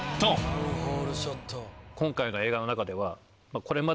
今回の映画の中では。